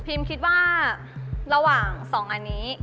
คิดว่าระหว่าง๒อันนี้